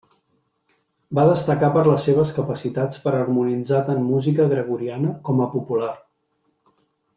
Va destacar per les seves capacitats per harmonitzar tant música gregoriana com a popular.